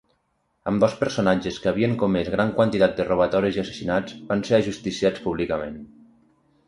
Ambdós personatges, que havien comès gran quantitat de robatoris i assassinats, van ser ajusticiats públicament.